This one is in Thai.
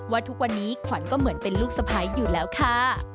ทุกวันนี้ขวัญก็เหมือนเป็นลูกสะพ้ายอยู่แล้วค่ะ